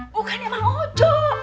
bukannya bang ojo